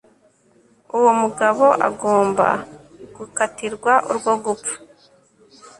Uwo mugabo agomba gukatirwa urwo gupfa